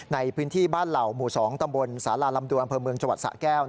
ในพื้นที่บ้านเหล่าหมู่๒ตำบลสาลาลำดวงอเจาะแก้ว